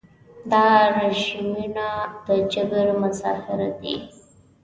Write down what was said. دا رژیمونه د جبر مظاهر دي.